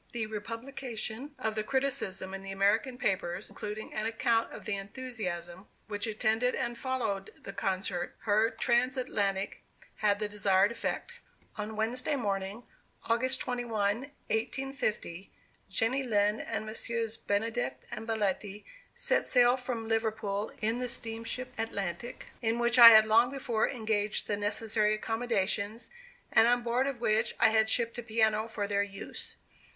The republication of the criticism in the American papers, including an account of the enthusiasm which attended and followed this concert, her trans Atlantic, had the desired effect. On Wednesday morning, August 21, 1850, Jenny Lind and Messrs. Benedict and Belletti, set sail from Liverpool in the steamship Atlantic, in which I had long before engaged the necessary accommodations, and on board of which I had shipped a piano for their use.